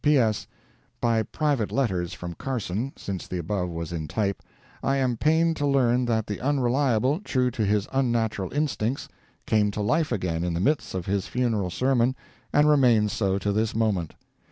P. S.—By private letters from Carson, since the above was in type, I am pained to learn that the Unreliable, true to his unnatural instincts, came to life again in the midst of his funeral sermon, and remains so to this moment.